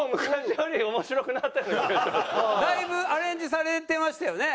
だいぶアレンジされてましたよね？